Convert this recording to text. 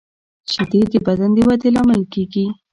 شیدې د بدن د ودې لامل کېږي